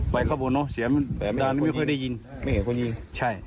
ไปข้างบนเนอะเสียมันด้านนี้ไม่เคยได้ยินไม่เห็นคนยิงใช่